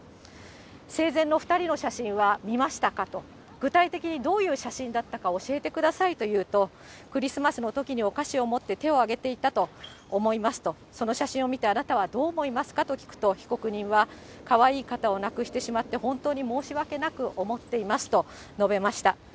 具体的にどういう写真だったか教えてくださいと言うと、クリスマスのときにお菓子を持って手を挙げていたと思いますと、その写真を見て、あなたはどう思いますか？と聞くと被告人はかわいい方を亡くしてしまって、本当に申し訳なく思っていますと述べました。